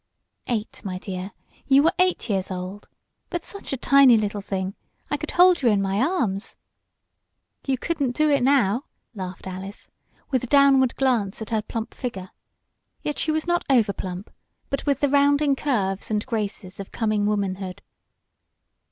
"Eight, my dear. You were eight years old, but such a tiny little thing! I could hold you in my arms." "You couldn't do it now!" laughed Alice, with a downward glance at her plump figure. Yet she was not over plump, but with the rounding curves and graces of coming womanhood.